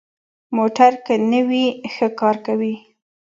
موټر که نوي وي، ښه کار کوي.